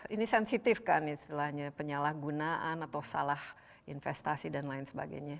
ini sensitif kan istilahnya penyalahgunaan atau salah investasi dan lain sebagainya